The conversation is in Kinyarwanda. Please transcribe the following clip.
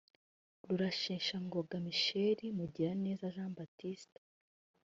Rusheshangoga Michel; Mugiraneza Jean Baptiste